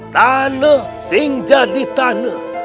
tanah sing jadi tanah